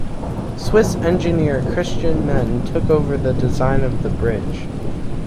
Swiss engineer Christian Menn took over the design of the bridge.